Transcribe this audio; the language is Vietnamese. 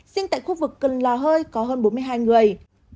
riêng tại khu vực cần lò hơi có hơn bốn mươi hai người